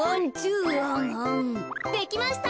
できました！